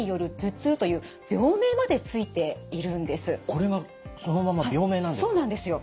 これがそのまま病名なんですか。